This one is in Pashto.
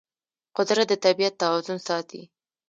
قدرت د طبیعت توازن ساتي.